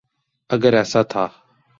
اگر ایسا تھا۔